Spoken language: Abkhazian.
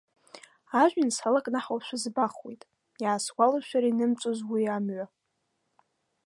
Ажәҩан салакнаҳаушәа збахуеит, иаасгәалашәар инымҵәоз уи амҩа.